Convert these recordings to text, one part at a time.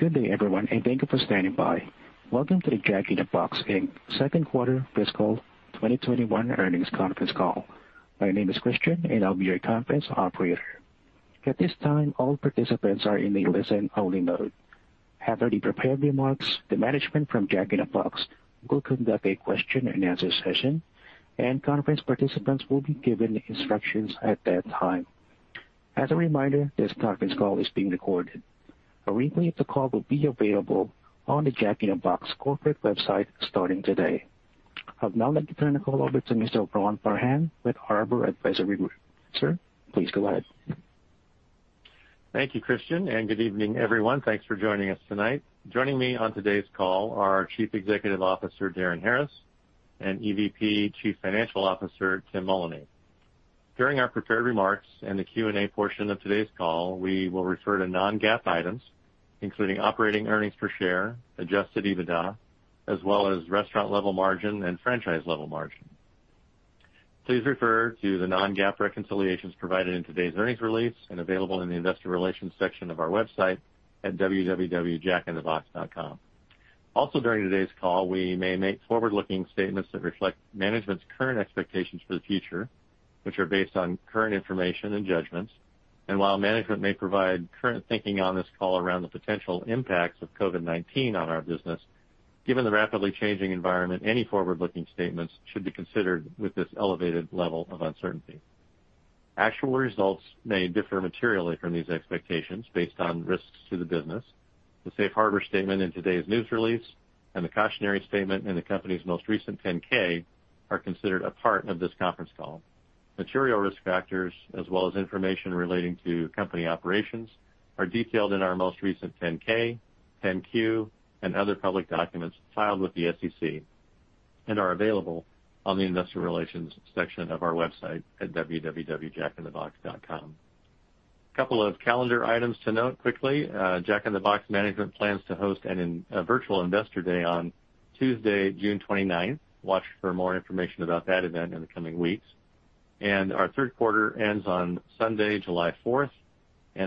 Good day, everyone, and thank you for standing by. Welcome to the Jack in the Box Inc. Second Quarter Fiscal 2021 Earnings Conference Call. My name is Christian, and I'll be your conference operator. At this time, all participants are in a listen-only mode. After the prepared remarks, the management from Jack in the Box will conduct a question and answer session, and conference participants will be given instructions at that time. As a reminder, this conference call is being recorded. A replay of the call will be available on the Jack in the Box corporate website starting today. I would now like to turn the call over to Mr. Ron Parham with Arbor Advisory Group. Sir, please go ahead. Thank you, Christian. Good evening, everyone. Thanks for joining us tonight. Joining me on today's call are Chief Executive Officer, Darin Harris, and EVP Chief Financial Officer, Tim Mullany. During our prepared remarks and the Q&A portion of today's call, we will refer to non-GAAP items, including operating earnings per share, adjusted EBITDA, as well as restaurant level margin and franchise level margin. Please refer to the non-GAAP reconciliations provided in today's earnings release and available in the investor relations section of our website at www.jackinthebox.com. During today's call, we may make forward-looking statements that reflect management's current expectations for the future, which are based on current information and judgments. While management may provide current thinking on this call around the potential impacts of COVID-19 on our business, given the rapidly changing environment, any forward-looking statements should be considered with this elevated level of uncertainty. Actual results may differ materially from these expectations based on risks to the business. The safe harbor statement in today's news release and the cautionary statement in the company's most recent 10-K are considered a part of this conference call. Material risk factors as well as information relating to company operations are detailed in our most recent 10-K, 10-Q, and other public documents filed with the SEC and are available on the investor relations section of our website at www.jackinthebox.com. A couple of calendar items to note quickly. Jack in the Box management plans to host a virtual investor day on Tuesday, June 29th. Watch for more information about that event in the coming weeks. Our third quarter ends on Sunday, July 4th.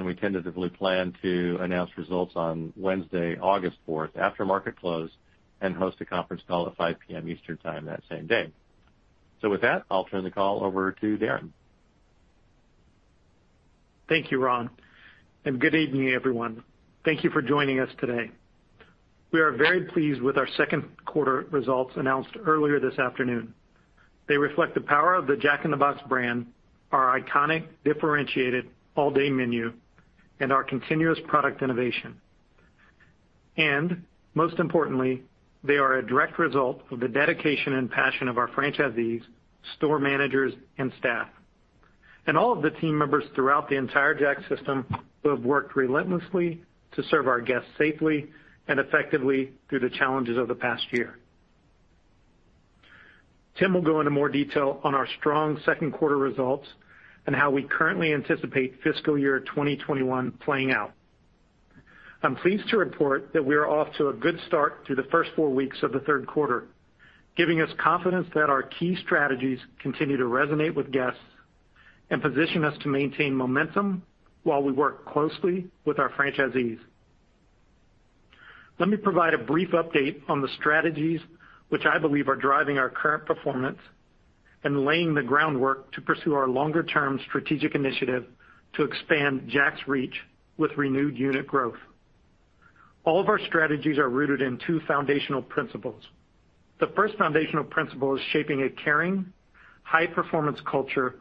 We tentatively plan to announce results on Wednesday, August 4th, after market close, and host a conference call at 5:00 P.M. Eastern Time that same day. With that, I'll turn the call over to Darin. Thank you, Ron. Good evening, everyone. Thank you for joining us today. We are very pleased with our second quarter results announced earlier this afternoon. They reflect the power of the Jack in the Box brand, our iconic, differentiated all-day menu, and our continuous product innovation. Most importantly, they are a direct result of the dedication and passion of our franchisees, store managers, and staff. All of the team members throughout the entire Jack system who have worked relentlessly to serve our guests safely and effectively through the challenges of the past year. Tim will go into more detail on our strong second quarter results and how we currently anticipate fiscal year 2021 playing out. I'm pleased to report that we are off to a good start through the first four weeks of the third quarter, giving us confidence that our key strategies continue to resonate with guests and position us to maintain momentum while we work closely with our franchisees. Let me provide a brief update on the strategies which I believe are driving our current performance and laying the groundwork to pursue our longer-term strategic initiative to expand Jack's reach with renewed unit growth. All of our strategies are rooted in two foundational principles. The first foundational principle is shaping a caring, high-performance culture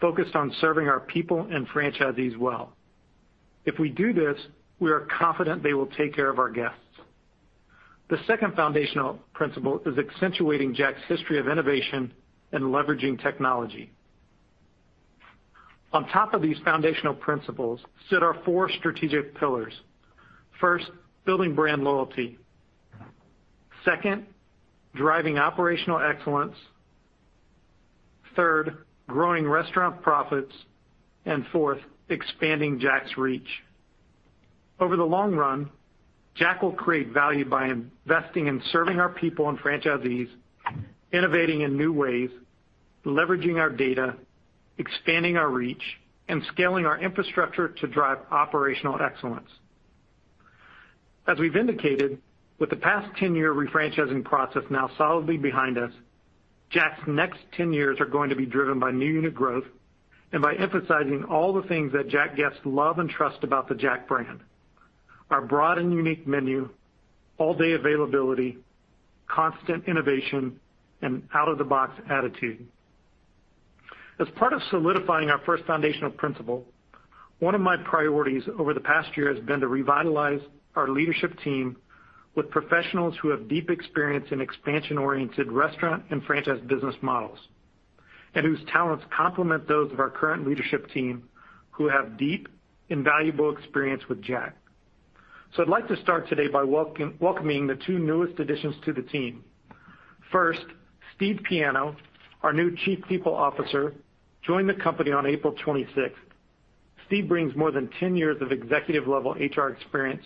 focused on serving our people and franchisees well. If we do this, we are confident they will take care of our guests. The second foundational principle is accentuating Jack's history of innovation and leveraging technology. On top of these foundational principles sit our four strategic pillars. First, building brand loyalty. Second, driving operational excellence. Third, growing restaurant profits, and fourth, expanding Jack's reach. Over the long run, Jack will create value by investing in serving our people and franchisees, innovating in new ways, leveraging our data, expanding our reach, and scaling our infrastructure to drive operational excellence. As we've indicated, with the past 10-year refranchising process now solidly behind us, Jack's next 10 years are going to be driven by new unit growth and by emphasizing all the things that Jack guests love and trust about the Jack brand, our broad and unique menu, all-day availability, constant innovation, and out-of-the-box attitude. As part of solidifying our first foundational principle, one of my priorities over the past year has been to revitalize our leadership team with professionals who have deep experience in expansion-oriented restaurant and franchise business models, and whose talents complement those of our current leadership team, who have deep and valuable experience with Jack. I'd like to start today by welcoming the two newest additions to the team. Steve Piano, our new Chief People Officer, joined the company on April 26th. Steve brings more than 10 years of executive-level HR experience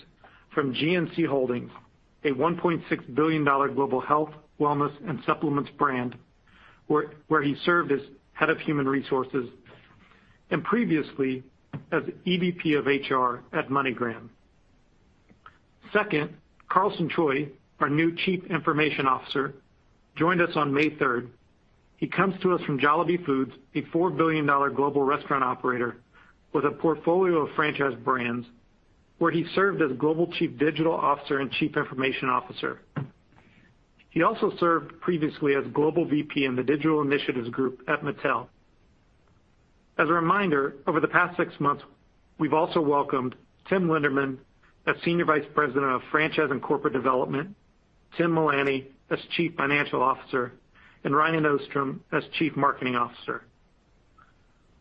from GNC Holdings, a $1.6 billion global health, wellness, and supplements brand, where he served as head of human resources, and previously as EVP of HR at MoneyGram. Carlson Choi, our new Chief Information Officer, joined us on May 3rd. He comes to us from Jollibee Foods, a $4 billion global restaurant operator with a portfolio of franchise brands, where he served as Global Chief Digital Officer and Chief Information Officer. He also served previously as Global VP in the digital initiatives group at Mattel. As a reminder, over the past six months, we've also welcomed Tim Linderman as Senior Vice President of Franchise and Corporate Development, Tim Mullany as Chief Financial Officer, and Ryan Ostrom as Chief Marketing Officer.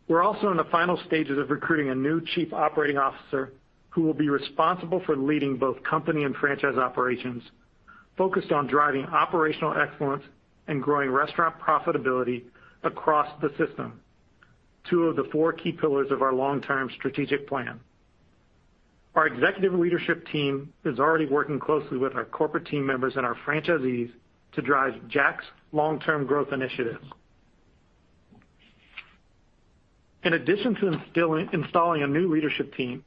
We're also in the final stages of recruiting a new Chief Operating Officer who will be responsible for leading both company and franchise operations, focused on driving operational excellence and growing restaurant profitability across the system, two of the four key pillars of our long-term strategic plan. Our executive leadership team is already working closely with our corporate team members and our franchisees to drive Jack's long-term growth initiatives. In addition to installing a new leadership team,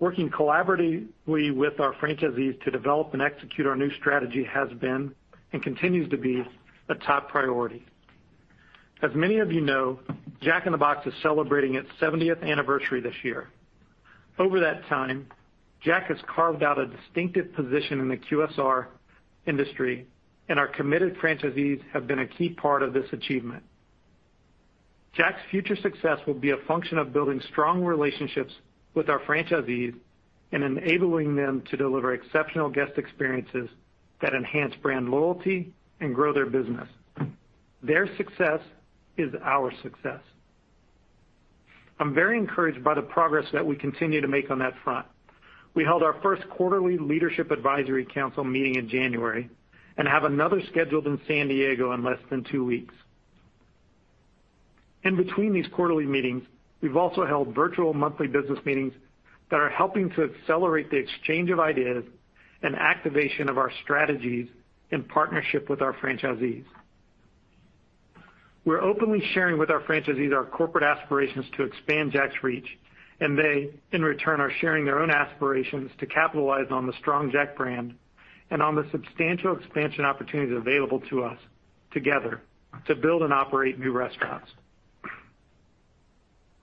working collaboratively with our franchisees to develop and execute our new strategy has been, and continues to be, a top priority. As many of you know, Jack in the Box is celebrating its 70th anniversary this year. Over that time, Jack has carved out a distinctive position in the QSR industry, and our committed franchisees have been a key part of this achievement. Jack's future success will be a function of building strong relationships with our franchisees and enabling them to deliver exceptional guest experiences that enhance brand loyalty and grow their business. Their success is our success. I'm very encouraged by the progress that we continue to make on that front. We held our first quarterly leadership advisory council meeting in January and have another scheduled in San Diego in less than two weeks. In between these quarterly meetings, we've also held virtual monthly business meetings that are helping to accelerate the exchange of ideas and activation of our strategies in partnership with our franchisees. We're openly sharing with our franchisees our corporate aspirations to expand Jack's reach, and they, in return, are sharing their own aspirations to capitalize on the strong Jack brand and on the substantial expansion opportunities available to us together to build and operate new restaurants.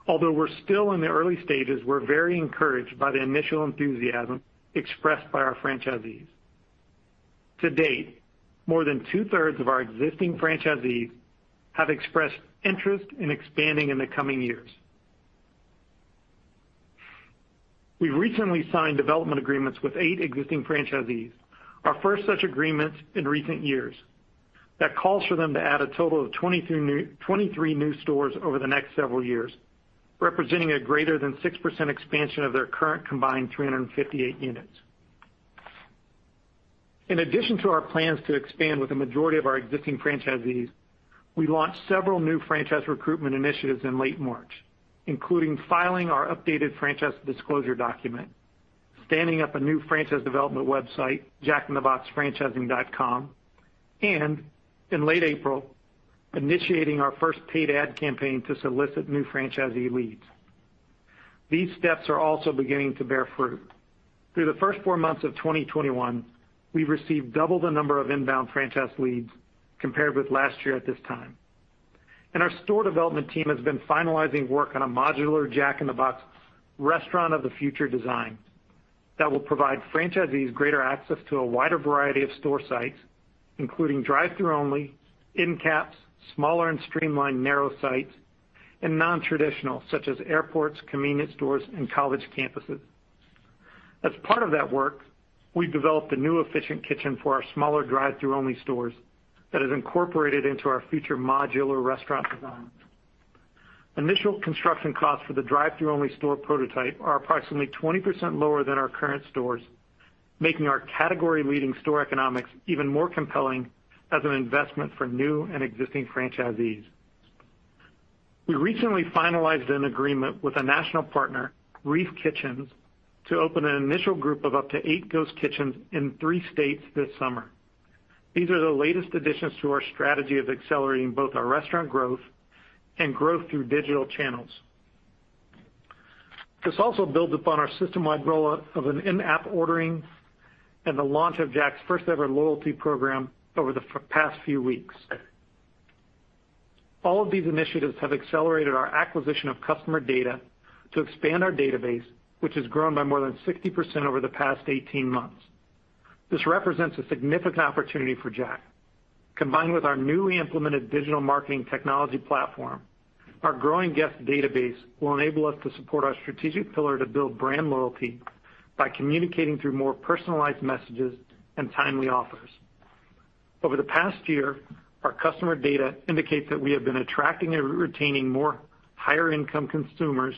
Although we're still in the early stages, we're very encouraged by the initial enthusiasm expressed by our franchisees. To date, more than two-thirds of our existing franchisees have expressed interest in expanding in the coming years. We recently signed development agreements with eight existing franchisees, our first such agreements in recent years. That calls for them to add a total of 23 new stores over the next several years, representing a greater than 6% expansion of their current combined 358 units. In addition to our plans to expand with the majority of our existing franchisees, we launched several new franchise recruitment initiatives in late March, including filing our updated franchise disclosure document, standing up a new franchise development website, jackintheboxfranchising.com, and in late April, initiating our first paid ad campaign to solicit new franchisee leads. These steps are also beginning to bear fruit. Through the first four months of 2021, we've received double the number of inbound franchise leads compared with last year at this time. Our store development team has been finalizing work on a modular Jack in the Box restaurant of the future design that will provide franchisees greater access to a wider variety of store sites, including drive-through only, end caps, smaller and streamlined narrow sites, and non-traditional such as airports, convenience stores, and college campuses. As part of that work, we developed a new efficient kitchen for our smaller drive-through only stores that is incorporated into our future modular restaurant designs. Initial construction costs for the drive-through only store prototype are approximately 20% lower than our current stores, making our category-leading store economics even more compelling as an investment for new and existing franchisees. We recently finalized an agreement with a national partner, Reef Kitchens, to open an initial group of up to eight ghost kitchens in three states this summer. These are the latest additions to our strategy of accelerating both our restaurant growth and growth through digital channels. This also builds upon our system-wide rollout of an in-app ordering and the launch of Jack's first-ever loyalty program over the past few weeks. All of these initiatives have accelerated our acquisition of customer data to expand our database, which has grown by more than 60% over the past 18 months. This represents a significant opportunity for Jack. Combined with our newly implemented digital marketing technology platform, our growing guest database will enable us to support our strategic pillar to build brand loyalty by communicating through more personalized messages and timely offers. Over the past year, our customer data indicates that we have been attracting and retaining more higher-income consumers,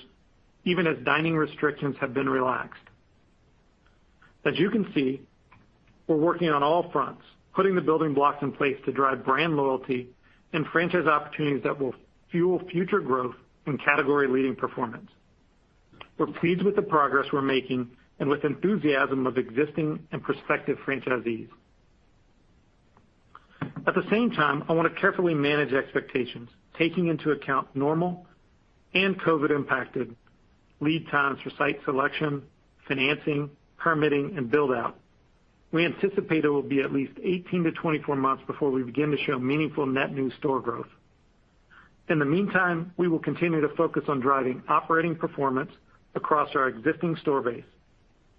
even as dining restrictions have been relaxed. As you can see, we're working on all fronts, putting the building blocks in place to drive brand loyalty and franchise opportunities that will fuel future growth and category-leading performance. We're pleased with the progress we're making and with the enthusiasm of existing and prospective franchisees. At the same time, I want to carefully manage expectations, taking into account normal and COVID-impacted lead times for site selection, financing, permitting, and build-out. We anticipate it will be at least 18-24 months before we begin to show meaningful net new store growth. In the meantime, we will continue to focus on driving operating performance across our existing store base,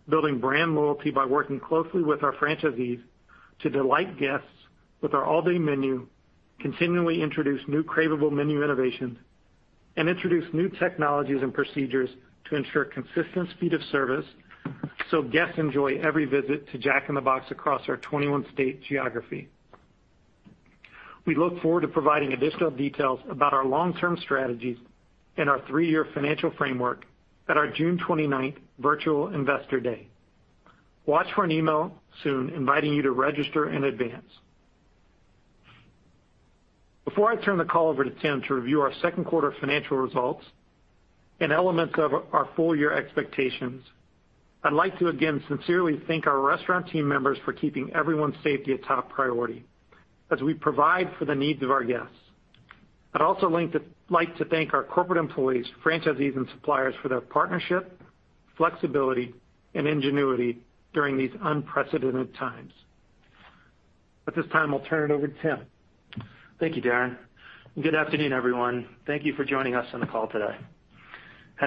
building brand loyalty by working closely with our franchisees to delight guests with our all-day menu, continually introduce new craveable menu innovations, and introduce new technologies and procedures to ensure consistent speed of service so guests enjoy every visit to Jack in the Box across our 21-state geography. We look forward to providing additional details about our long-term strategies and our three-year financial framework at our June 29th virtual Investor Day. Watch for an email soon, inviting you to register in advance. Before I turn the call over to Tim to review our second quarter financial results and elements of our full-year expectations, I'd like to again sincerely thank our restaurant team members for keeping everyone's safety a top priority as we provide for the needs of our guests. I'd also like to thank our corporate employees, franchisees, and suppliers for their partnership, flexibility, and ingenuity during these unprecedented times. At this time, I'll turn it over to Tim. Thank you, Darin. Good afternoon, everyone. Thank you for joining us on the call today.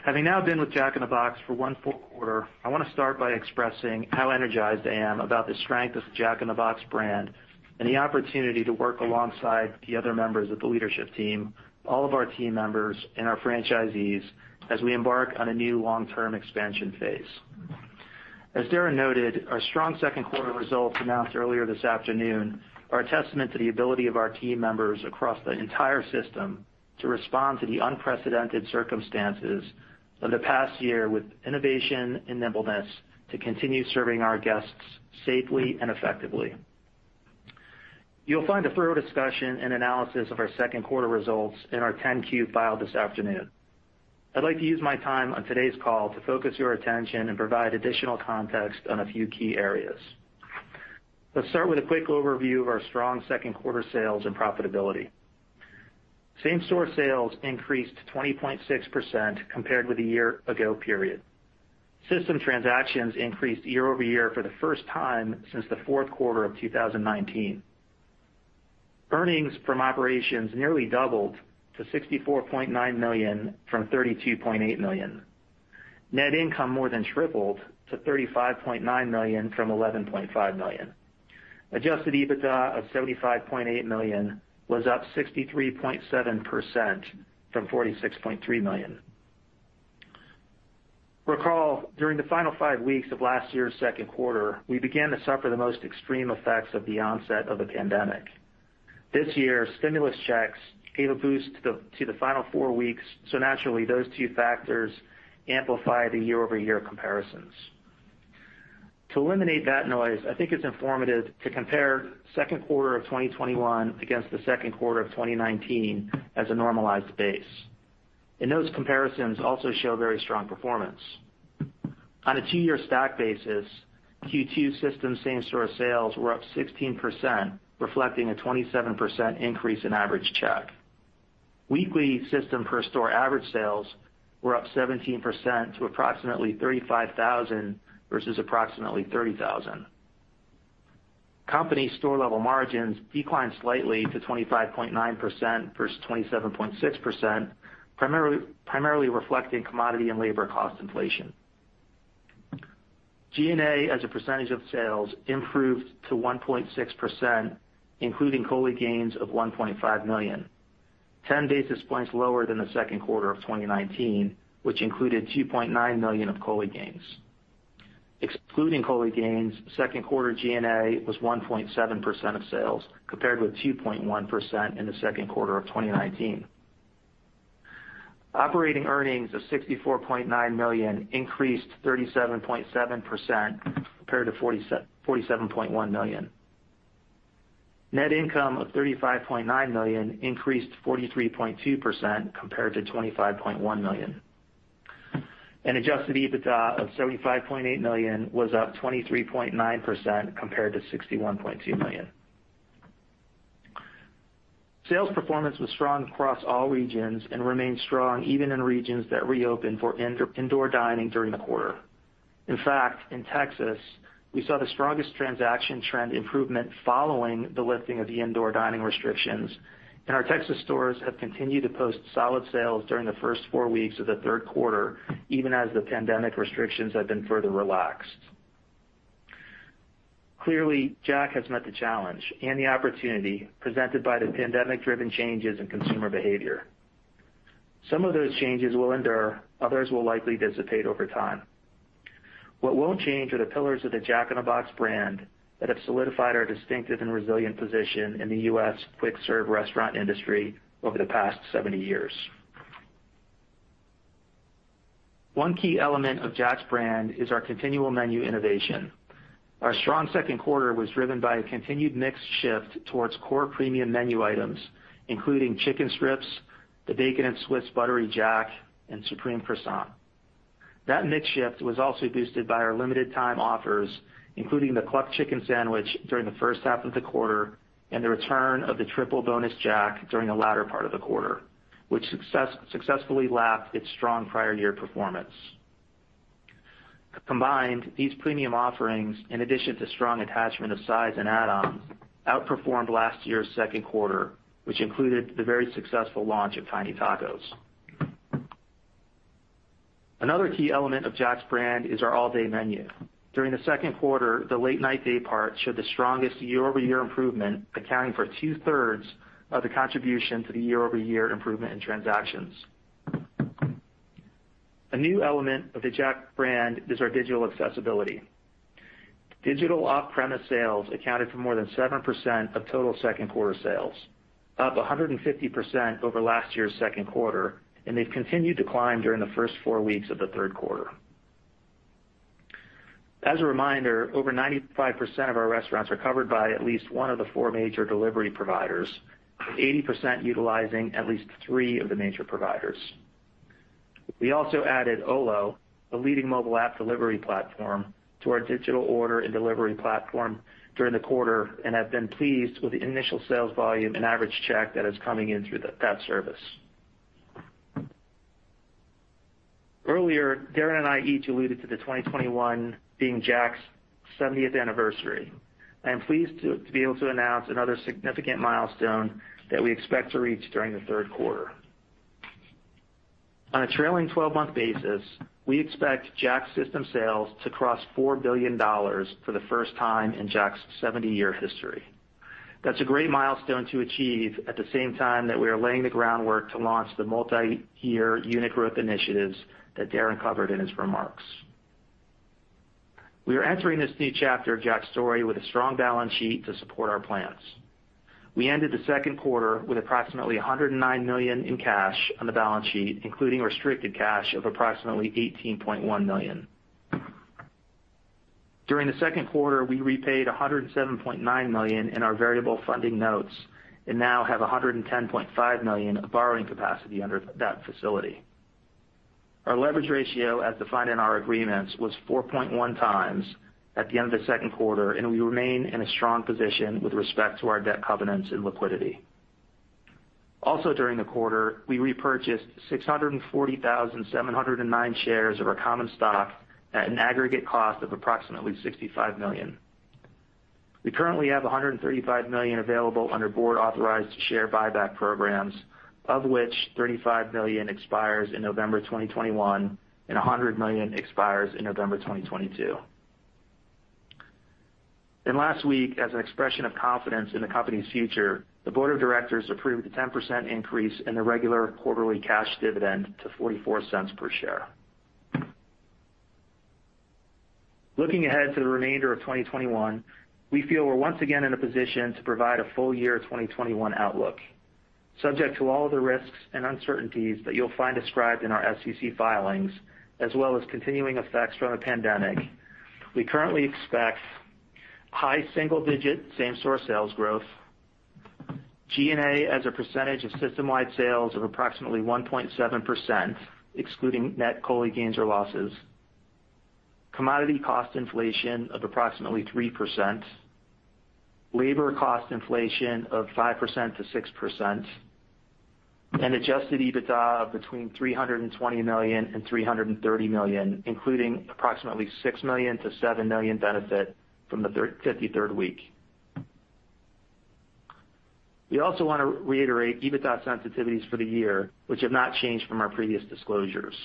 Having now been with Jack in the Box for one full quarter, I want to start by expressing how energized I am about the strength of the Jack in the Box brand and the opportunity to work alongside the other members of the leadership team, all of our team members, and our franchisees as we embark on a new long-term expansion phase. As Darin noted, our strong second quarter results announced earlier this afternoon are a testament to the ability of our team members across the entire system to respond to the unprecedented circumstances of the past year with innovation and nimbleness to continue serving our guests safely and effectively. You'll find a thorough discussion and analysis of our second quarter results in our 10-Q filed this afternoon. I'd like to use my time on today's call to focus your attention and provide additional context on a few key areas. Let's start with a quick overview of our strong second quarter sales and profitability. Same-store sales increased 20.6% compared with the year ago period. System transactions increased year-over-year for the first time since the fourth quarter of 2019. Earnings from operations nearly doubled to $64.9 million from $32.8 million. Net income more than tripled to $35.9 million from $11.5 million. Adjusted EBITDA of $75.8 million was up 63.7% from $46.3 million. Recall, during the final five weeks of last year's second quarter, we began to suffer the most extreme effects of the onset of the pandemic. This year, stimulus checks gave a boost to the final four weeks, naturally, those two factors amplify the year-over-year comparisons. To eliminate that noise, I think it's informative to compare the second quarter of 2021 against the second quarter of 2019 as a normalized base, and those comparisons also show very strong performance. On a two-year stack basis, Q2 system same-store sales were up 16%, reflecting a 27% increase in average check. Weekly system per store average sales were up 17% to approximately $35,000 versus approximately $30,000. Company store-level margins declined slightly to 25.9% versus 27.6%, primarily reflecting commodity and labor cost inflation. G&A as a percentage of sales improved to 1.6%, including COLI gains of $1.5 million, 10 basis points lower than the second quarter of 2019, which included $2.9 million of COLI gains. Excluding COLI gains, second quarter G&A was 1.7% of sales, compared with 2.1% in the second quarter of 2019. Operating earnings of $64.9 million increased 37.7% compared to $47.1 million. Net income of $35.9 million increased 43.2% compared to $25.1 million. Adjusted EBITDA of $75.8 million was up 23.9% compared to $61.2 million. Sales performance was strong across all regions and remained strong even in regions that reopened for indoor dining during the quarter. In fact, in Texas, we saw the strongest transaction trend improvement following the lifting of the indoor dining restrictions, and our Texas stores have continued to post solid sales during the first four weeks of the third quarter, even as the pandemic restrictions have been further relaxed. Clearly, Jack has met the challenge and the opportunity presented by the pandemic-driven changes in consumer behavior. Some of those changes will endure, others will likely dissipate over time. What won't change are the pillars of the Jack in the Box brand that have solidified our distinctive and resilient position in the U.S. quick-serve restaurant industry over the past 70 years. One key element of Jack's brand is our continual menu innovation. Our strong second quarter was driven by a continued mix shift towards core premium menu items, including Spicy Chicken Strips, the Bacon & Swiss Buttery Jack, and Supreme Croissant. That mix shift was also boosted by our limited time offers, including the Cluck Sandwich during the first half of the quarter, and the return of the Triple Bonus Jack during the latter part of the quarter, which successfully lapped its strong prior year performance. Combined, these premium offerings, in addition to strong attachment of sides and add-ons, outperformed last year's second quarter, which included the very successful launch of Tiny Tacos. Another key element of Jack's brand is our all-day menu. During the second quarter, the late night day part showed the strongest year-over-year improvement, accounting for 2/3 of the contribution to the year-over-year improvement in transactions. A new element of the Jack brand is our digital accessibility. Digital off-premise sales accounted for more than 7% of total second quarter sales, up 150% over last year's second quarter, and they've continued to climb during the first four weeks of the third quarter. As a reminder, over 95% of our restaurants are covered by at least one of the four major delivery providers, with 80% utilizing at least three of the major providers. We also added Olo, the leading mobile app delivery platform, to our digital order and delivery platform during the quarter, and have been pleased with the initial sales volume and average check that is coming in through that service. Earlier, Darin and I each alluded to the 2021 being Jack's 70th anniversary. I am pleased to be able to announce another significant milestone that we expect to reach during the third quarter. On a trailing 12-month basis, we expect Jack's system sales to cross $4 billion for the first time in Jack's 70-year history. That's a great milestone to achieve at the same time that we are laying the groundwork to launch the multi-year unit growth initiatives that Darin covered in his remarks. We are entering this new chapter of Jack's story with a strong balance sheet to support our plans. We ended the second quarter with approximately $109 million in cash on the balance sheet, including restricted cash of approximately $18.1 million. During the second quarter, we repaid $107.9 million in our variable funding notes and now have $110.5 million of borrowing capacity under that facility. Our leverage ratio, as defined in our agreements, was 4.1x at the end of the second quarter, and we remain in a strong position with respect to our debt covenants and liquidity. Also during the quarter, we repurchased 640,709 shares of our common stock at an aggregate cost of approximately $65 million. We currently have $135 million available under board-authorized share buyback programs, of which $35 million expires in November 2021 and $100 million expires in November 2022. Last week, as an expression of confidence in the company's future, the board of directors approved a 10% increase in the regular quarterly cash dividend to $0.44 per share. Looking ahead to the remainder of 2021, we feel we're once again in a position to provide a full year 2021 outlook. Subject to all the risks and uncertainties that you'll find described in our SEC filings, as well as continuing effects from the pandemic, we currently expect high single digit same-store sales growth, G&A as a percentage of system-wide sales of approximately 1.7%, excluding net COLI gains or losses, commodity cost inflation of approximately 3%, labor cost inflation of 5%-6%, and adjusted EBITDA of between $320 million and $330 million, including approximately $6 million to $7 million benefit from the 53rd week. We also want to reiterate EBITDA sensitivities for the year, which have not changed from our previous disclosures.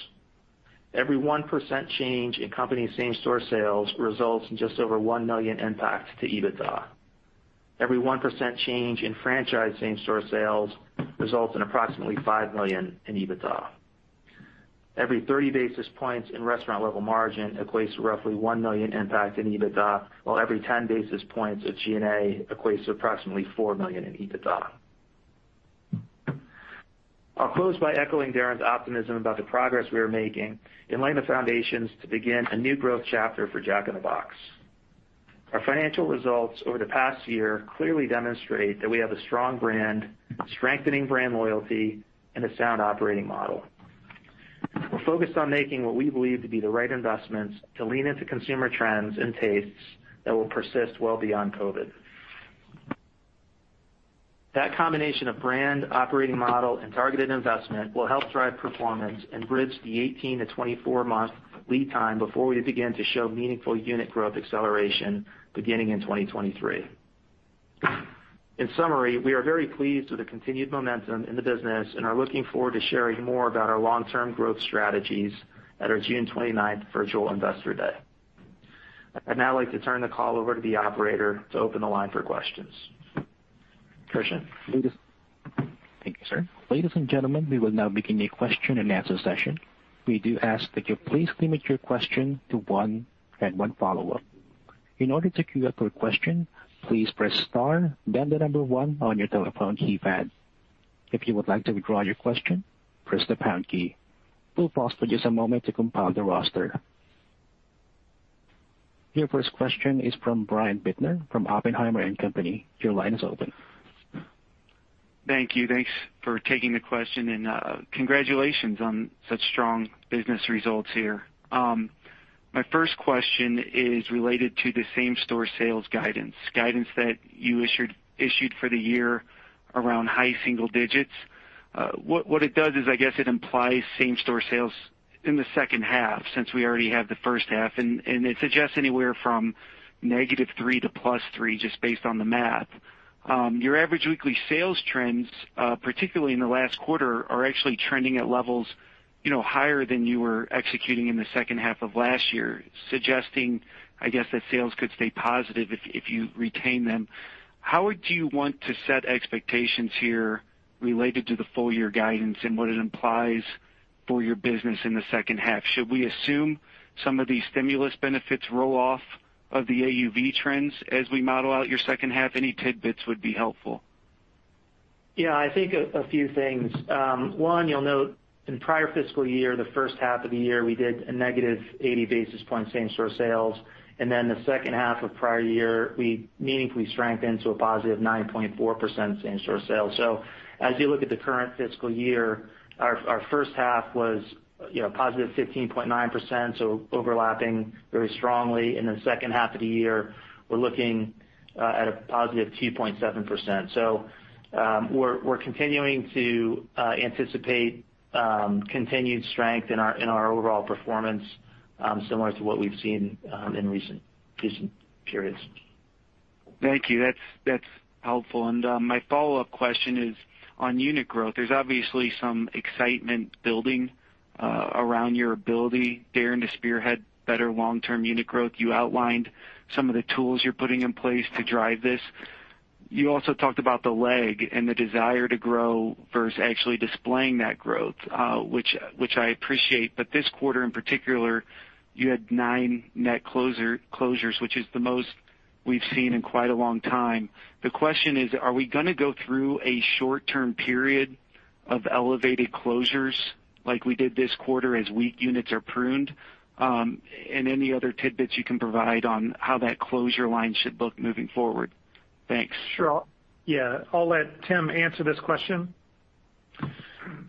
Every 1% change in company same-store sales results in just over $1 million impact to EBITDA. Every 1% change in franchise same-store sales results in approximately $5 million in EBITDA. Every 30 basis points in restaurant level margin equates to roughly $1 million impact in EBITDA, while every 10 basis points of G&A equates to approximately $4 million in EBITDA. I'll close by echoing Darin's optimism about the progress we are making in laying the foundations to begin a new growth chapter for Jack in the Box. Our financial results over the past year clearly demonstrate that we have a strong brand, strengthening brand loyalty, and a sound operating model. We're focused on making what we believe to be the right investments to lean into consumer trends and tastes that will persist well beyond COVID-19. That combination of brand, operating model, and targeted investment will help drive performance and bridge the 18-24 month lead time before we begin to show meaningful unit growth acceleration beginning in 2023. In summary, we are very pleased with the continued momentum in the business and are looking forward to sharing more about our long-term growth strategies at our June 29th Virtual Investor Day. I'd now like to turn the call over to the operator to open the line for questions. Christian. Thank you, sir. Ladies and gentlemen, we will now begin a question and answer session. We do ask that you please limit your question to one and one follow-up. In order to queue up for a question, please press star one on your telephone keypad. If you would like to withdraw your question, press the pound key. Your first question is from Brian Bittner from Oppenheimer & Co. Your line is open. Thank you. Thanks for taking the question, and congratulations on such strong business results here. My first question is related to the same-store sales guidance that you issued for the year around high single digits. What it does is, I guess, it implies same-store sales in the second half since we already have the first half, and it suggests anywhere from -3% to +3%, just based on the math. Your average weekly sales trends, particularly in the last quarter, are actually trending at levels higher than you were executing in the second half of last year, suggesting, I guess, that sales could stay positive if you retain them. How would you want to set expectations here related to the full-year guidance and what it implies for your business in the second half? Should we assume some of these stimulus benefits roll off of the AUV trends as we model out your second half? Any tidbits would be helpful. Yeah, I think a few things. One, you'll note in prior fiscal year, the first half of the year, we did a -80 basis points same-store sales, and then the second half of prior year, we meaningfully strengthened to a positive 9.4% same-store sales. As you look at the current fiscal year, our first half was positive 15.9%, so overlapping very strongly. In the second half of the year, we're looking at a positive 2.7%. We're continuing to anticipate continued strength in our overall performance, similar to what we've seen in recent periods. Thank you. That's helpful. My follow-up question is on unit growth. There's obviously some excitement building around your ability, Darin, to spearhead better long-term unit growth. You outlined some of the tools you're putting in place to drive this. You also talked about the lag and the desire to grow versus actually displaying that growth, which I appreciate. This quarter in particular, you had nine net closures, which is the most we've seen in quite a long time. The question is, are we going to go through a short-term period of elevated closures like we did this quarter as weak units are pruned? Any other tidbits you can provide on how that closure line should look moving forward. Thanks. Sure. Yeah. I'll let Tim answer this question.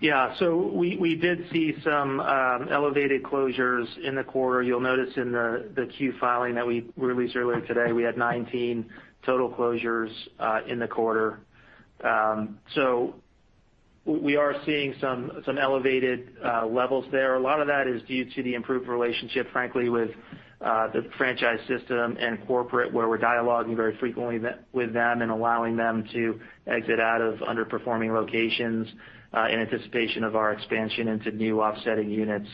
Yeah. We did see some elevated closures in the quarter. You'll notice in the Q filing that we released earlier today, we had 19 total closures in the quarter. We are seeing some elevated levels there. A lot of that is due to the improved relationship, frankly, with the franchise system and corporate, where we're dialoguing very frequently with them and allowing them to exit out of underperforming locations in anticipation of our expansion into new offsetting units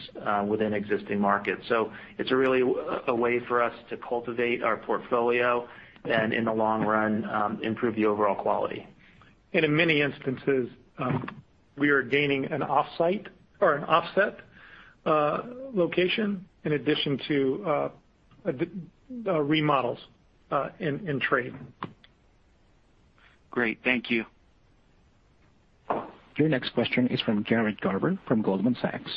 within existing markets. It's really a way for us to cultivate our portfolio and in the long run, improve the overall quality. In many instances, we are gaining an offsite or an offset location in addition to remodels in trade. Great. Thank you. Your next question is from Jared Garber from Goldman Sachs.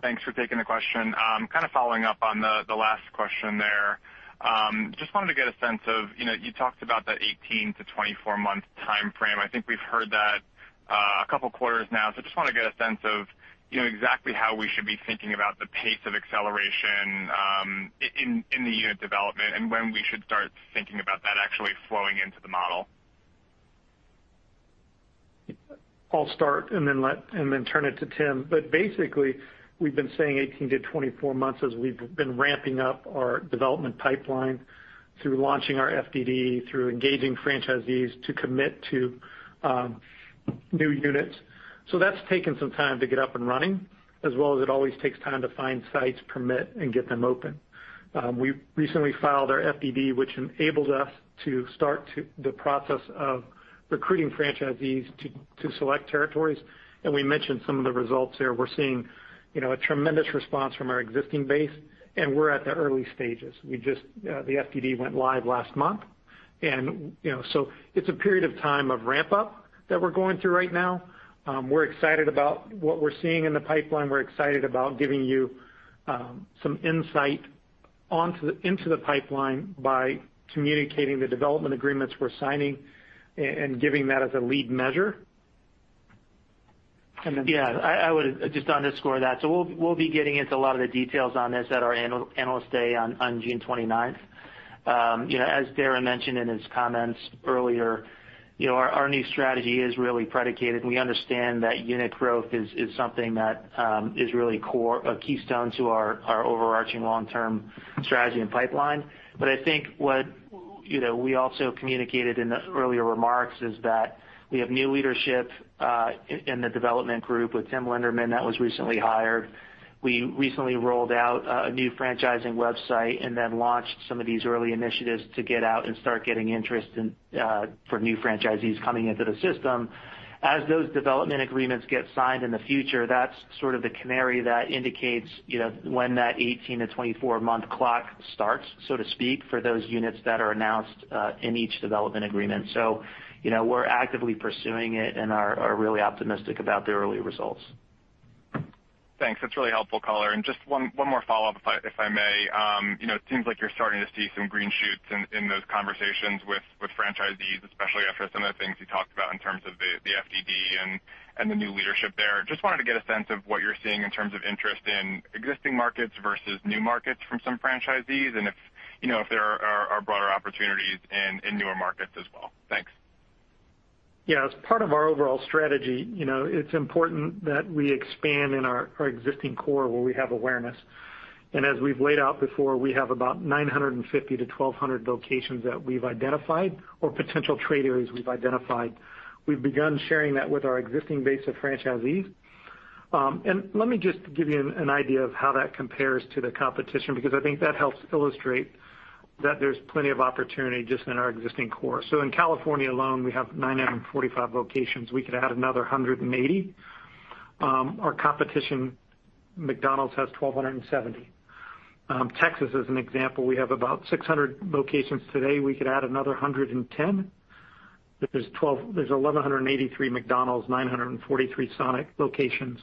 Thanks for taking the question. Kind of following up on the last question there. Just wanted to get a sense of, you talked about that 18-24 month timeframe. I think we've heard that a couple of quarters now. Just want to get a sense of exactly how we should be thinking about the pace of acceleration in the unit development and when we should start thinking about that actually flowing into the model. I'll start and then turn it to Tim. Basically, we've been saying 18-24 months as we've been ramping up our development pipeline through launching our FDD, through engaging franchisees to commit to new units. That's taken some time to get up and running, as well as it always takes time to find sites, permit, and get them open. We recently filed our FDD, which enables us to start the process of recruiting franchisees to select territories, and we mentioned some of the results there. We're seeing a tremendous response from our existing base, and we're at the early stages. The FDD went live last month, it's a period of time of ramp up that we're going through right now. We're excited about what we're seeing in the pipeline. We're excited about giving you some insight into the pipeline by communicating the development agreements we're signing and giving that as a lead measure. Yeah, I would just underscore that. We'll be getting into a lot of the details on this at our Analyst Day on June 29th. As Darin Harris mentioned in his comments earlier, our new strategy is really predicated. We understand that unit growth is something that is really a keystone to our overarching long-term strategy and pipeline. I think what we also communicated in the earlier remarks is that we have new leadership in the development group with Tim Linderman that was recently hired. We recently rolled out a new franchising website and then launched some of these early initiatives to get out and start getting interest for new franchisees coming into the system. As those development agreements get signed in the future, that's sort of the canary that indicates when that 18-24-month clock starts, so to speak, for those units that are announced in each development agreement. We're actively pursuing it and are really optimistic about the early results. Thanks. That's really helpful color. Just one more follow-up, if I may. It seems like you're starting to see some green shoots in those conversations with franchisees, especially after some of the things you talked about in terms of the FDD and the new leadership there. Just wanted to get a sense of what you're seeing in terms of interest in existing markets versus new markets from some franchisees, and if there are broader opportunities in newer markets as well. Thanks. Yeah. As part of our overall strategy, it is important that we expand in our existing core where we have awareness. As we've laid out before, we have about 950-1,200 locations that we've identified or potential trade areas we've identified. We've begun sharing that with our existing base of franchisees. Let me just give you an idea of how that compares to the competition, because I think that helps illustrate that there's plenty of opportunity just in our existing core. In California alone, we have 945 locations. We could add another 180. Our competition, McDonald's, has 1,270. Texas, as an example, we have about 600 locations today. We could add another 110. There's 1,183 McDonald's, 943 Sonic locations.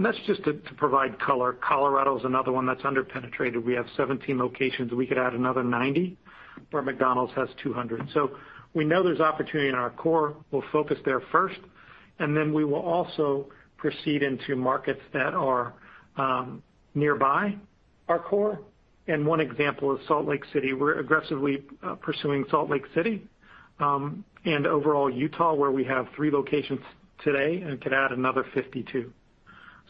That's just to provide color. Colorado is another one that's under-penetrated. We have 17 locations. We could add another 90, where McDonald's has 200. We know there's opportunity in our core. We'll focus there first, we will also proceed into markets that are nearby our core. One example is Salt Lake City. We're aggressively pursuing Salt Lake City, and overall Utah, where we have three locations today and could add another 52.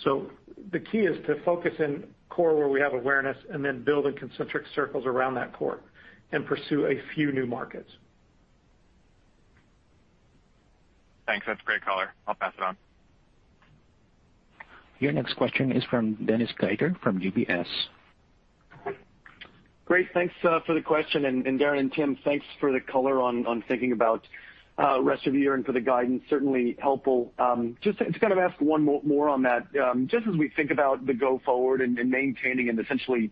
The key is to focus in core where we have awareness, and then build in concentric circles around that core and pursue a few new markets. Thanks. That's great color. I'll pass it on. Your next question is from Dennis Geiger from UBS. Great. Thanks for the question, Darin and Tim, thanks for the color on thinking about rest of the year and for the guidance. Certainly helpful. Going to ask one more on that. As we think about the go forward and maintaining and essentially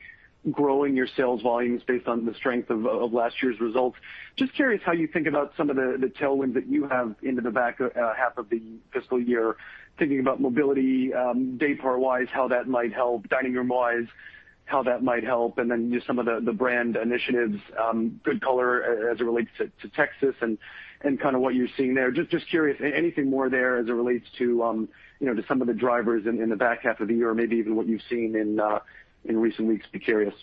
growing your sales volumes based on the strength of last year's results, curious how you think about some of the tailwinds that you have into the back half of the fiscal year, thinking about mobility, daypart-wise, how that might help, dining room-wise, how that might help, some of the brand initiatives, good color as it relates to Texas and what you're seeing there. Curious, anything more there as it relates to some of the drivers in the back half of the year, maybe even what you've seen in recent weeks? Be curious.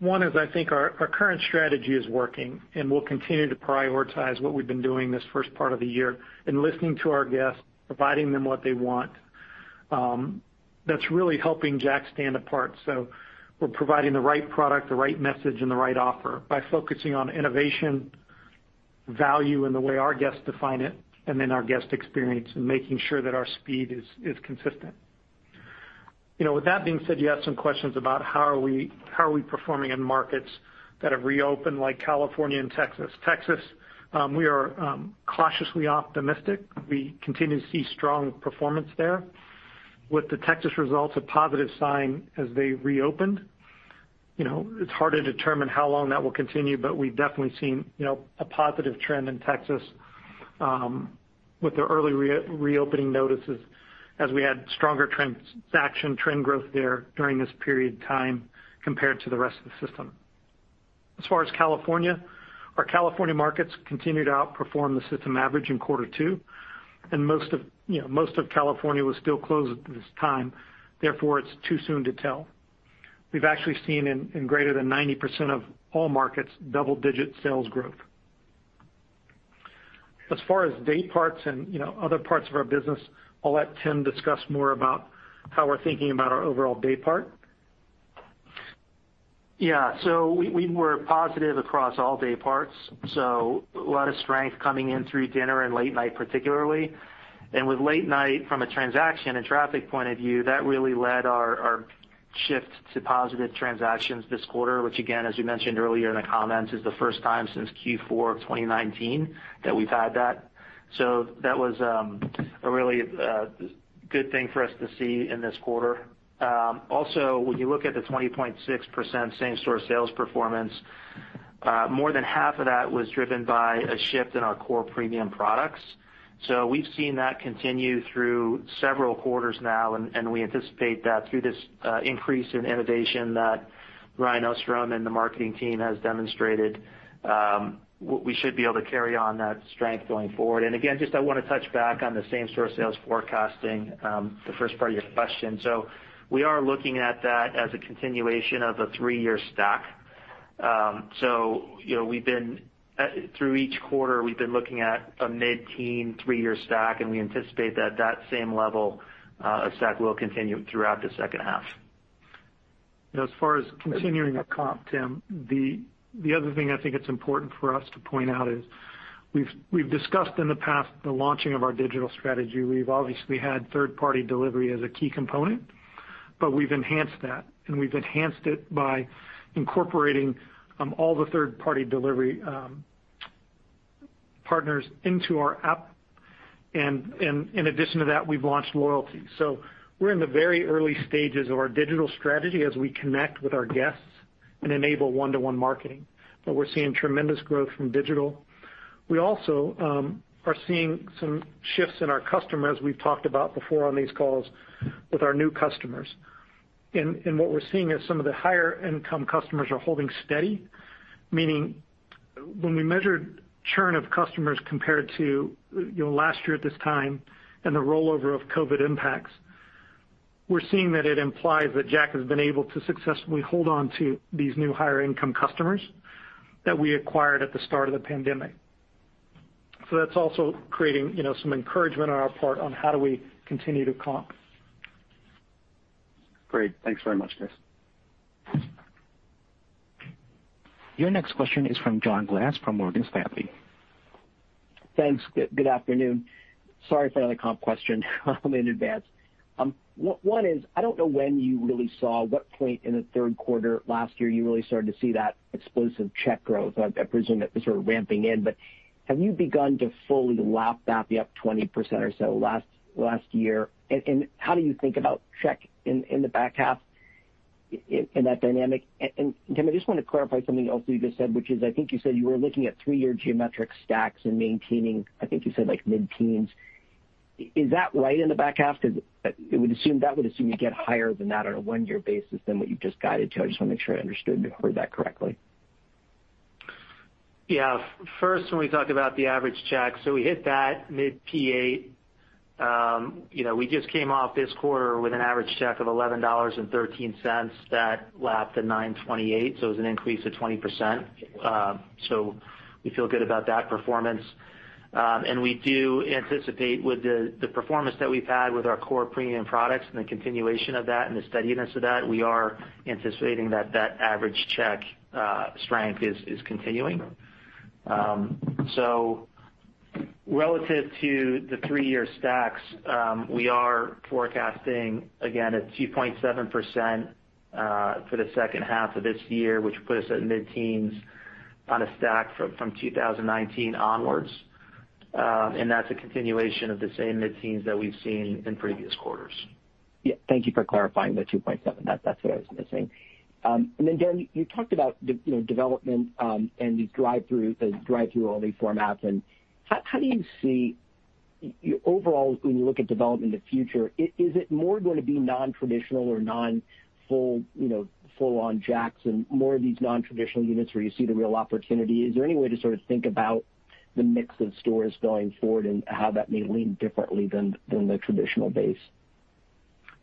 One is I think our current strategy is working, and we'll continue to prioritize what we've been doing this first part of the year and listening to our guests, providing them what they want. That's really helping Jack stand apart. We're providing the right product, the right message, and the right offer by focusing on innovation, value in the way our guests define it, and then our guest experience and making sure that our speed is consistent. With that being said, you have some questions about how are we performing in markets that have reopened, like California and Texas. Texas, we are cautiously optimistic. We continue to see strong performance there. With the Texas results, a positive sign as they reopened. It's hard to determine how long that will continue, but we've definitely seen a positive trend in Texas with the early reopening notices as we had stronger transaction trend growth there during this period of time compared to the rest of the system. As far as California, our California markets continue to outperform the system average in quarter two, and most of California was still closed at this time, therefore, it's too soon to tell. We've actually seen in greater than 90% of all markets double-digit sales growth. As far as day parts and other parts of our business, I'll let Tim discuss more about how we're thinking about our overall day part. Yeah. We were positive across all dayparts, a lot of strength coming in through dinner and late night, particularly. With late night, from a transaction and traffic point of view, that really led our shift to positive transactions this quarter, which again, as you mentioned earlier in the comments, is the first time since Q4 of 2019 that we've had that. That was a really good thing for us to see in this quarter. Also, when you look at the 20.6% same-store sales performance, more than half of that was driven by a shift in our core premium products. We've seen that continue through several quarters now, and we anticipate that through this increase in innovation that Ryan Ostrom and the marketing team has demonstrated, we should be able to carry on that strength going forward. I want to touch back on the same-store sales forecasting, the first part of your question. We are looking at that as a continuation of a three-year stack. Through each quarter, we've been looking at a mid-teen three-year stack, and we anticipate that that same level of stack will continue throughout the second half. As far as continuing the comp, Tim, the other thing I think it's important for us to point out is we've discussed in the past the launching of our digital strategy. We've obviously had third-party delivery as a key component, but we've enhanced that, and we've enhanced it by incorporating all the third-party delivery partners into our app. In addition to that, we've launched loyalty. We're in the very early stages of our digital strategy as we connect with our guests and enable one-to-one marketing. We're seeing tremendous growth from digital. We also are seeing some shifts in our customers, we've talked about before on these calls, with our new customers. What we're seeing is some of the higher-income customers are holding steady, meaning when we measured churn of customers compared to last year at this time and the rollover of COVID impacts, we're seeing that it implies that Jack has been able to successfully hold on to these new higher-income customers that we acquired at the start of the pandemic. That's also creating some encouragement on our part on how do we continue to comp. Great. Thanks very much, Chris. Your next question is from John Glass, from Morgan Stanley. Thanks. Good afternoon. Sorry for another comp question in advance. One is, I don't know when you really saw what point in the third quarter last year you really started to see that explosive check growth. I presume that was sort of ramping in, but have you begun to fully lap that the up 20% or so last year? How do you think about check in the back half in that dynamic? Tim, I just want to clarify something else that you just said, which is, I think you said you were looking at three-year geometric stacks and maintaining, I think you said like mid-teens. Is that right in the back half? Because that would assume you get higher than that on a one-year basis than what you just guided to. I just want to make sure I understood and heard that correctly. Yeah. First, when we talk about the average check, we hit that mid P8. We just came off this quarter with an average check of $11.13 that lapped the $9.28. It was an increase of 20%. We feel good about that performance. We do anticipate with the performance that we've had with our core premium products and the continuation of that and the steadiness of that, we are anticipating that that average check strength is continuing. Relative to the three-year stacks, we are forecasting again at 2.7% for the second half of this year, which puts us at mid-teens on a stack from 2019 onwards. That's a continuation of the same mid-teens that we've seen in previous quarters. Thank you for clarifying the 2.7. That's what I was missing. Darin, you talked about development and these drive-through only formats. How do you see, overall, when you look at development in the future, is it more going to be non-traditional or non full-on Jacks and more of these non-traditional units where you see the real opportunity? Is there any way to think about the mix of stores going forward and how that may lean differently than the traditional base?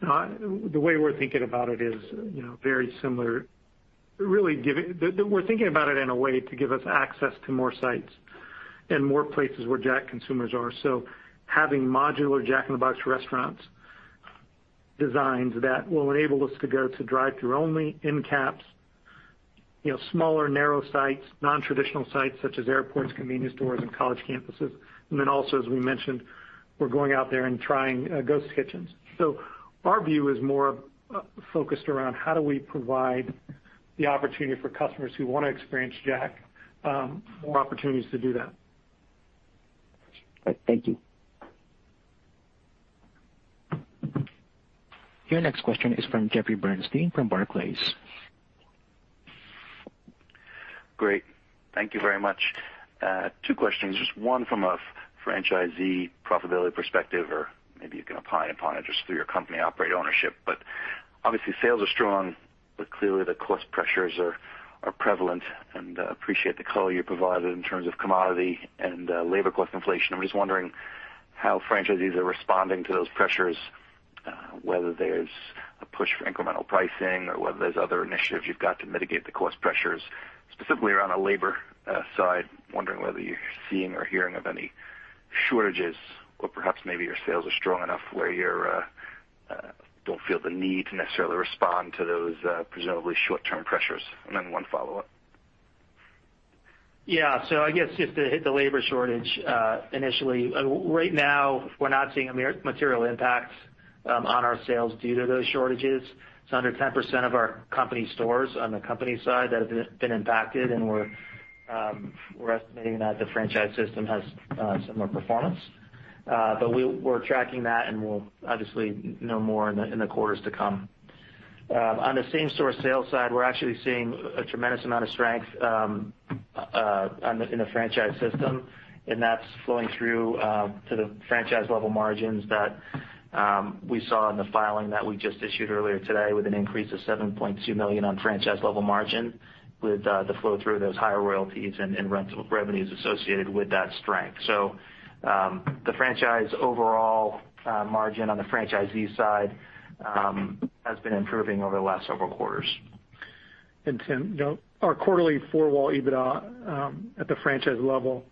The way we're thinking about it is very similar. We're thinking about it in a way to give us access to more sites and more places where Jack consumers are. Having modular Jack in the Box restaurants designed that will enable us to go to drive-through only, end caps, smaller narrow sites, non-traditional sites such as airports, convenience stores, and college campuses. Also, as we mentioned, we're going out there and trying ghost kitchens. Our view is more focused around how do we provide the opportunity for customers who want to experience Jack, more opportunities to do that. Thank you. Your next question is from Jeffrey Bernstein, from Barclays. Great. Thank you very much. Two questions. Just one from a franchisee profitability perspective, or maybe you can opine upon it just through your company operate ownership. Obviously, sales are strong, but clearly the cost pressures are prevalent, and appreciate the color you provided in terms of commodity and labor cost inflation. I'm just wondering how franchisees are responding to those pressures, whether there's a push for incremental pricing or whether there's other initiatives you've got to mitigate the cost pressures, specifically around the labor side. Wondering whether you're seeing or hearing of any shortages or perhaps maybe your sales are strong enough where you don't feel the need to necessarily respond to those presumably short-term pressures. Then one follow-up. Yeah. I guess just to hit the labor shortage initially. Right now we're not seeing a material impact on our sales due to those shortages. It's under 10% of our company stores on the company side that have been impacted, and we're estimating that the franchise system has similar performance. We're tracking that, and we'll obviously know more in the quarters to come. On the same-store sales side, we're actually seeing a tremendous amount of strength in the franchise system, and that's flowing through to the franchise level margins that we saw in the filing that we just issued earlier today with an increase of $7.2 million on franchise level margin with the flow through those higher royalties and rental revenues associated with that strength. The franchise overall margin on the franchisee side has been improving over the last several quarters. Tim, our quarterly four-wall EBITDA at the franchise level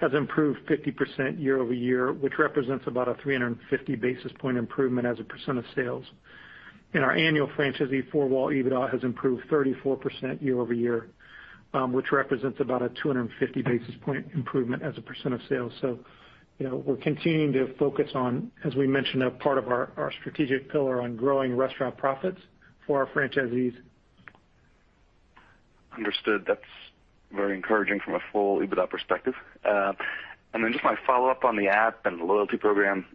has improved 50% year-over-year, which represents about a 350 basis point improvement as a percent of sales. Our annual franchisee four-wall EBITDA has improved 34% year-over-year, which represents about a 250 basis point improvement as a percent of sales. We're continuing to focus on, as we mentioned, a part of our strategic pillar on growing restaurant profits for our franchisees. Understood. Very encouraging from a full EBITDA perspective. Then just my follow-up on the app and the loyalty program.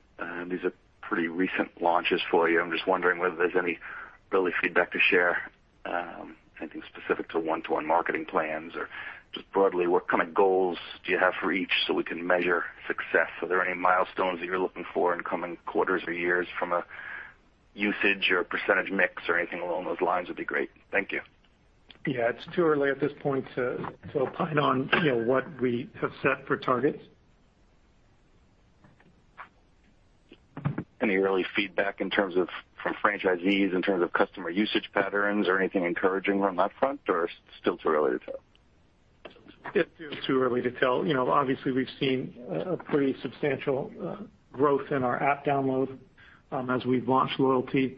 These are pretty recent launches for you. I'm just wondering whether there's any early feedback to share, anything specific to one-to-one marketing plans or just broadly, what kind of goals do you have for each so we can measure success? Are there any milestones that you're looking for in coming quarters or years from a usage or percentage mix or anything along those lines would be great. Thank you. It's too early at this point to opine on what we have set for targets. Any early feedback from franchisees in terms of customer usage patterns or anything encouraging on that front, or it's still too early to tell? It is too early to tell. Obviously we've seen a pretty substantial growth in our app download as we've launched loyalty.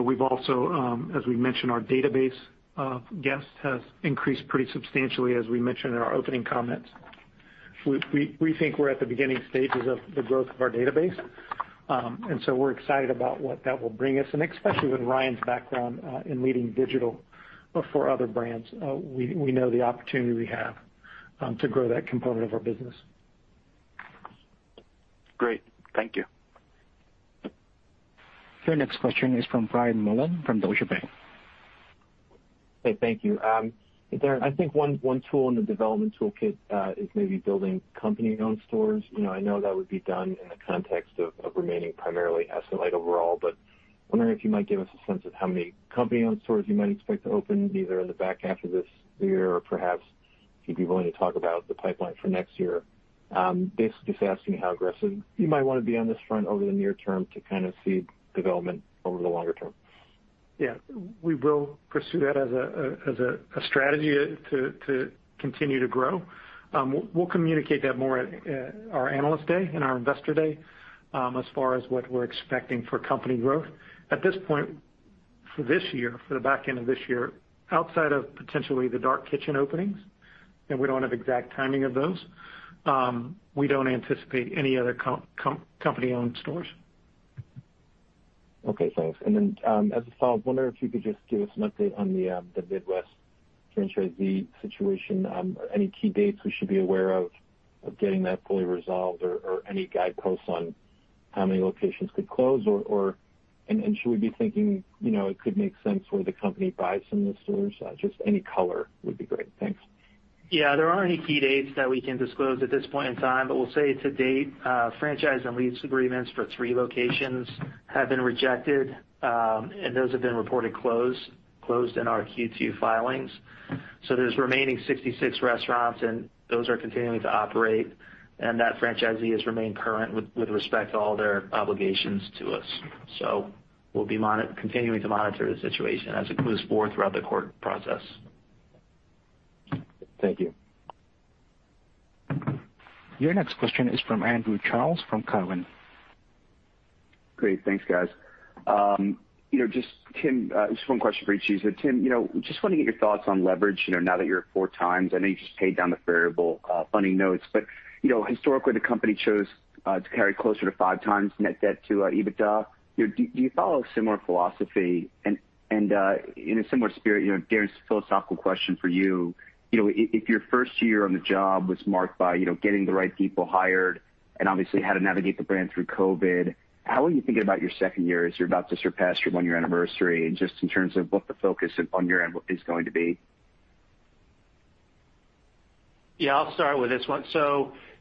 We've also, as we mentioned, our database of guests has increased pretty substantially, as we mentioned in our opening comments. We think we're at the beginning stages of the growth of our database. We're excited about what that will bring us. Especially with Ryan's background in leading digital for other brands, we know the opportunity we have to grow that component of our business. Great. Thank you. Your next question is from Brian Mullan from Deutsche Bank. Hey, thank you. Darin, I think one tool in the development toolkit is maybe building company-owned stores. I know that would be done in the context of remaining primarily asset-light overall, but wondering if you might give us a sense of how many company-owned stores you might expect to open, either in the back half of this year or perhaps if you'd be willing to talk about the pipeline for next year. Basically just asking how aggressive you might want to be on this front over the near term to kind of seed development over the longer term. We will pursue that as a strategy to continue to grow. We'll communicate that more at our Analyst Day and our Investor Day as far as what we're expecting for company growth. At this point for the back end of this year, outside of potentially the dark kitchen openings, and we don't have exact timing of those, we don't anticipate any other company-owned stores. Okay, thanks. Then as a follow-up, wondering if you could just give us an update on the Midwest franchisee situation. Any key dates we should be aware of getting that fully resolved or any guideposts on how many locations could close or should we be thinking it could make sense where the company buys some of the stores? Just any color would be great. Thanks. There aren't any key dates that we can disclose at this point in time. We'll say to date, franchise and lease agreements for three locations have been rejected. Those have been reported closed in our Q2 filings. There's remaining 66 restaurants. Those are continuing to operate. That franchisee has remained current with respect to all their obligations to us. We'll be continuing to monitor the situation as it moves forward throughout the court process. Thank you. Your next question is from Andrew Charles from Cowen. Great. Thanks, guys. Just Tim, just one question for each of you. Tim, just want to get your thoughts on leverage, now that you're at 4x. I know you just paid down the variable funding notes, historically, the company chose to carry closer to 5x net debt to EBITDA. Do you follow a similar philosophy? In a similar spirit, Darin, philosophical question for you. If your first year on the job was marked by getting the right people hired and obviously how to navigate the brand through COVID, how are you thinking about your second year as you're about to surpass your one-year anniversary and just in terms of what the focus on your end is going to be? Yeah, I'll start with this one.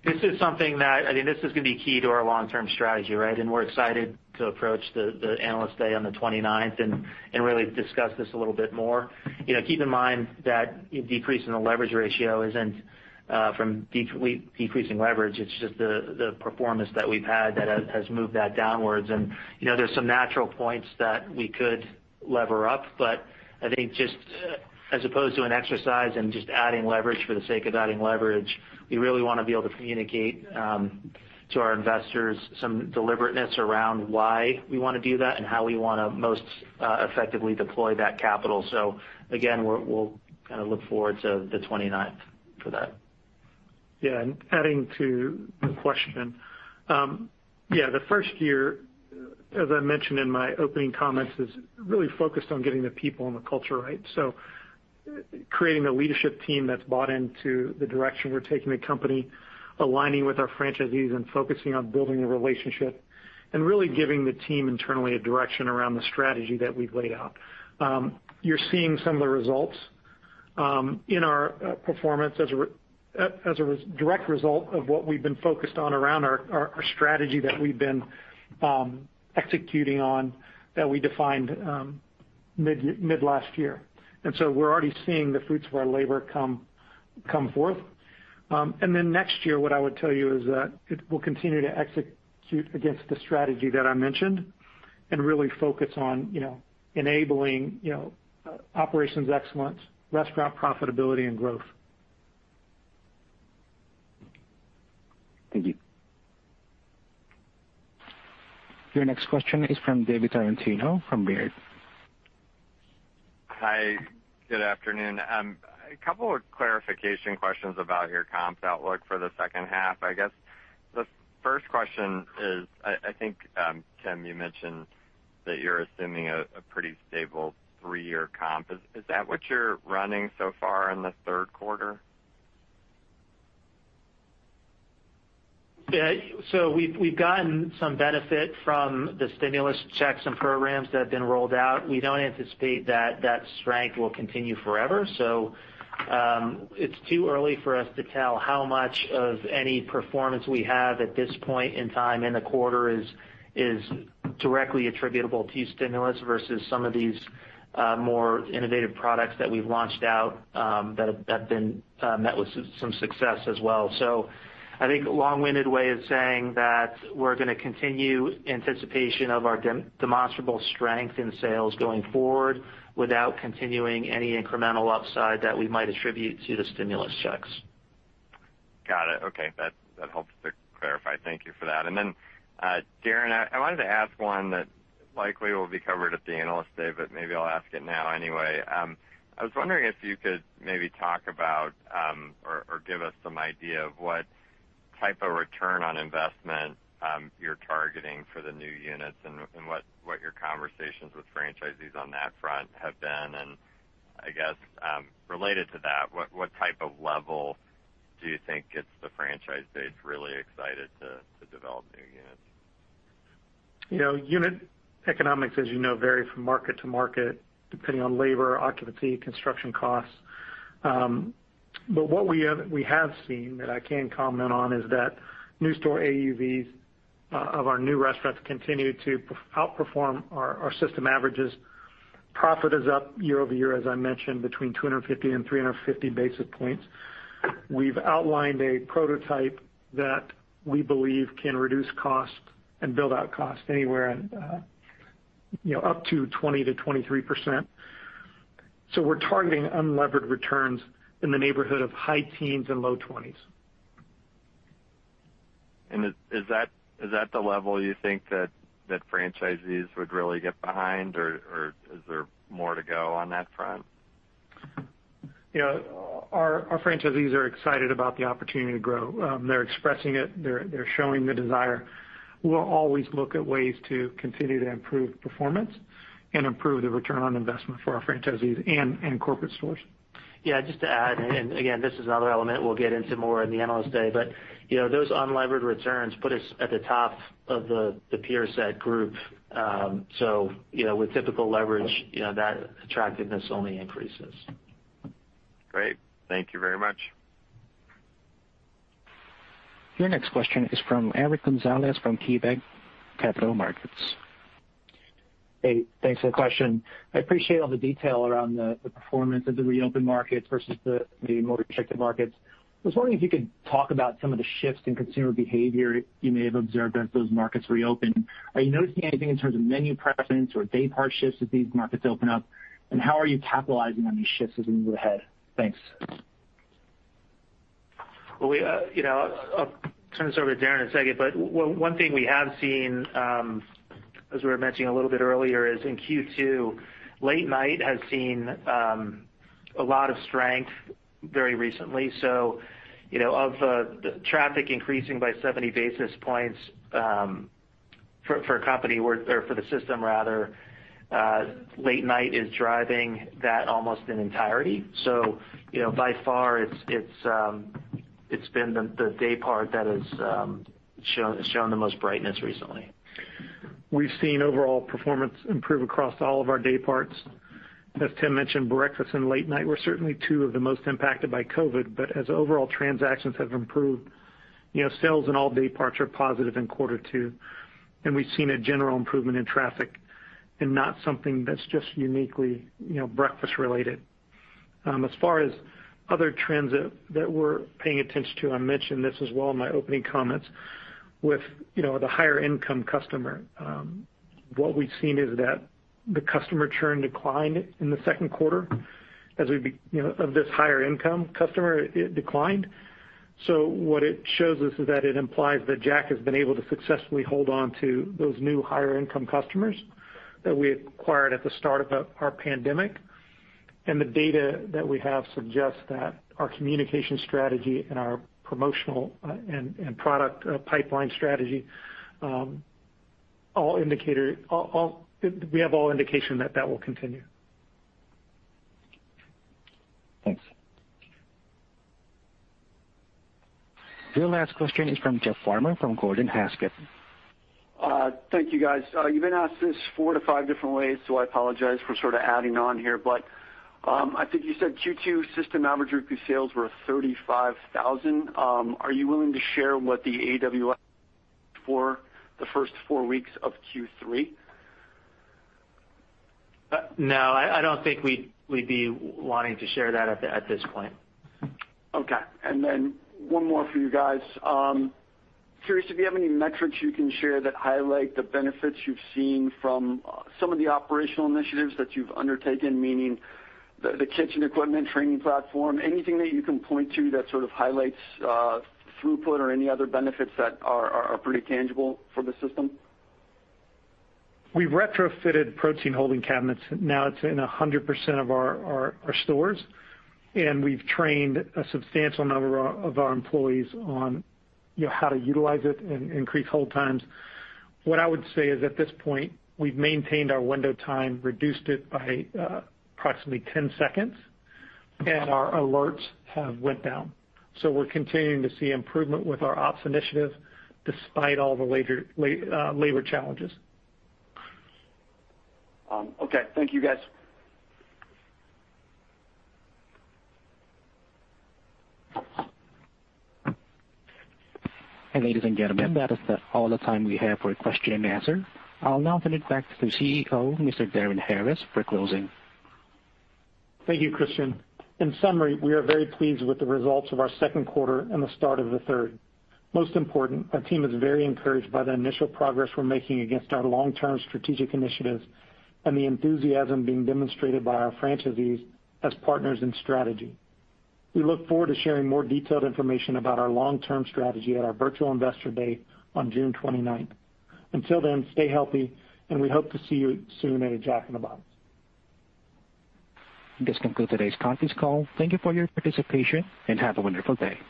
This is something that, I think this is going to be key to our long-term strategy, right? We're excited to approach the Analyst Day on the 29th and really discuss this a little bit more. Keep in mind that decreasing the leverage ratio isn't from decreasing leverage, it's just the performance that we've had that has moved that downwards. There's some natural points that we could lever up, but I think just as opposed to an exercise in just adding leverage for the sake of adding leverage, we really want to be able to communicate to our investors some deliberateness around why we want to do that and how we want to most effectively deploy that capital. Again, we'll look forward to the 29th for that. Yeah. Adding to the question. Yeah, the first year, as I mentioned in my opening comments, is really focused on getting the people and the culture right. Creating a leadership team that's bought into the direction we're taking the company, aligning with our franchisees and focusing on building a relationship, and really giving the team internally a direction around the strategy that we've laid out. You're seeing some of the results in our performance as a direct result of what we've been focused on around our strategy that we've been executing on, that we defined mid last year. We're already seeing the fruits of our labor come forth. Next year, what I would tell you is that we'll continue to execute against the strategy that I mentioned and really focus on enabling operations excellence, restaurant profitability, and growth. Thank you. Your next question is from David Tarantino from Baird. Hi, good afternoon. A couple of clarification questions about your comps outlook for the second half, I guess. The first question is, I think, Tim, you mentioned that you're assuming a pretty stable three-year comp. Is that what you're running so far in the third quarter? Yeah. We've gotten some benefit from the stimulus checks and programs that have been rolled out. We don't anticipate that strength will continue forever. It's too early for us to tell how much of any performance we have at this point in time in the quarter is directly attributable to stimulus versus some of these more innovative products that we've launched out, that have met with some success as well. I think a long-winded way of saying that we're going to continue anticipation of our demonstrable strength in sales going forward without continuing any incremental upside that we might attribute to the stimulus checks. Got it. Okay. That helps to clarify. Thank you for that. Then, Darin, I wanted to ask one that likely will be covered at the Analyst Day, but maybe I will ask it now anyway. I was wondering if you could maybe talk about, or give us some idea of what type of return on investment you are targeting for the new units and what your conversations with franchisees on that front have been. I guess, related to that, what type of level do you think gets the franchisees really excited to develop new units? Unit economics, as you know, vary from market to market, depending on labor, occupancy, construction costs. What we have seen that I can comment on is that new store AUVs of our new restaurants continue to outperform our system averages. Profit is up year-over-year, as I mentioned, between 250 and 350 basis points. We've outlined a prototype that we believe can reduce cost and build-out cost anywhere up to 20%-23%. We're targeting unlevered returns in the neighborhood of high teens and low 20s. Is that the level you think that franchisees would really get behind, or is there more to go on that front? Our franchisees are excited about the opportunity to grow. They're expressing it, they're showing the desire. We'll always look at ways to continue to improve performance and improve the return on investment for our franchisees and corporate stores. Just to add, again, this is another element we'll get into more in the Analyst Day, but those unlevered returns put us at the top of the peer set group. With typical leverage, that attractiveness only increases. Great. Thank you very much. Your next question is from Eric Gonzalez from KeyBanc Capital Markets. Hey, thanks for the question. I appreciate all the detail around the performance of the reopened markets versus the more restricted markets. I was wondering if you could talk about some of the shifts in consumer behavior you may have observed as those markets reopen. Are you noticing anything in terms of menu preference or day part shifts as these markets open up? How are you capitalizing on these shifts as we move ahead? Thanks. I'll turn this over to Darin in a second, but one thing we have seen, as we were mentioning a little bit earlier, is in Q2, late night has seen a lot of strength very recently. Of the traffic increasing by 70 basis points for a company, or for the system rather, late night is driving that almost in entirety. By far it's been the day part that has shown the most brightness recently. We've seen overall performance improve across all of our day parts. As Tim mentioned, breakfast and late night were certainly two of the most impacted by COVID. As overall transactions have improved, sales in all day parts are positive in quarter two. We've seen a general improvement in traffic and not something that's just uniquely breakfast related. As far as other trends that we're paying attention to, I mentioned this as well in my opening comments with the higher income customer. What we've seen is that the customer churn declined in the second quarter of this higher income customer. What it shows us is that it implies that Jack has been able to successfully hold on to those new higher income customers that we acquired at the start of our pandemic. The data that we have suggests that our communication strategy and our promotional and product pipeline strategy, we have all indication that that will continue. Thanks. Your last question is from Jeff Farmer from Gordon Haskett. Thank you, guys. You've been asked this four to five different ways, so I apologize for sort of adding on here, but, I think you said Q2 system average repeat sales were $35,000. Are you willing to share what the AUV for the first four weeks of Q3? No, I don't think we'd be wanting to share that at this point. Okay. Then one more for you guys. Curious if you have any metrics you can share that highlight the benefits you've seen from some of the operational initiatives that you've undertaken, meaning the kitchen equipment training platform, anything that you can point to that sort of highlights throughput or any other benefits that are pretty tangible for the system? We've retrofitted protein holding cabinets. Now it's in 100% of our stores, and we've trained a substantial number of our employees on how to utilize it and increase hold times. What I would say is at this point, we've maintained our window time, reduced it by approximately 10 seconds, and our alerts have went down. We're continuing to see improvement with our ops initiative despite all the labor challenges. Okay. Thank you, guys. Ladies and gentlemen, that is all the time we have for question and answer. I'll now turn it back to CEO, Mr. Darin Harris, for closing. Thank you, Christian. In summary, we are very pleased with the results of our second quarter and the start of the third. Most important, our team is very encouraged by the initial progress we're making against our long-term strategic initiatives and the enthusiasm being demonstrated by our franchisees as partners in strategy. We look forward to sharing more detailed information about our long-term strategy at our virtual Investor Day on June 29th. Until then, stay healthy and we hope to see you soon at a Jack in the Box. This concludes today's conference call. Thank you for your participation and have a wonderful day.